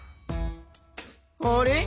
あれ？